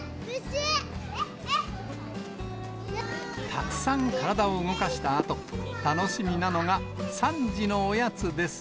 たくさん体を動かしたあと、楽しみなのが、３時のおやつです